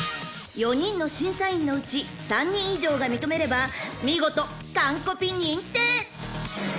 ［４人の審査員のうち３人以上が認めれば見事カンコピ認定］